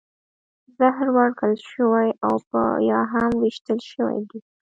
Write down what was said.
زهر ورکړل شوي او یا هم ویشتل شوي دي